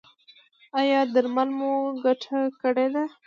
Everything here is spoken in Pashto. ایا درمل مو ګټه کړې ده؟